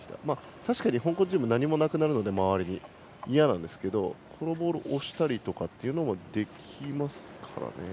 確かに香港チーム周りに何もなくなるので嫌なんですけど青ボールを押したりというのもできますからね。